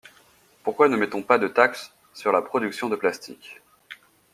Pourquoi ne met-on pas des taxes sur la production de plastique?